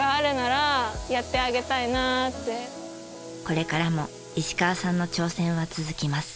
これからも石川さんの挑戦は続きます。